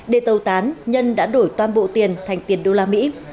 để tàu tán nhân đã đổi toàn bộ tiền thành tiền đô la mỹ